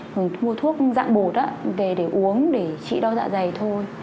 mình mua thuốc dạng bột á để uống để trị đau dạ dày thôi